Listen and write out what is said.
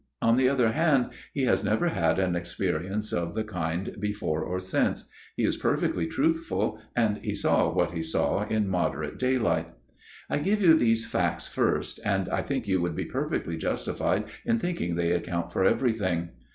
On the other hand, he has never had an experience of the kind before or since ; he is perfectly truthful, and he saw what he saw in moderate daylight. I give you these facts first, and I think you would be perfectly justified in thinking they account for everything.